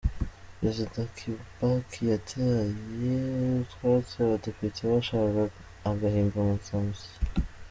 Perezida Kibaki yateye utwatsi Abadepite bashakaga agahimbazamusyi